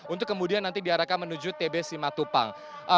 untuk kemudian nanti diarahkan menuju tbsi matupang